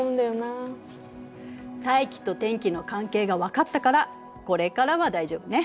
大気と天気の関係が分かったからこれからは大丈夫ね。